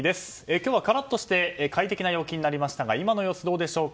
今日はカラッとして快適な陽気になりましたが今の様子はどうでしょう。